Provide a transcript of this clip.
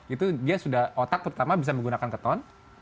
itu dia sudah otak terutama bisa menggunakan keton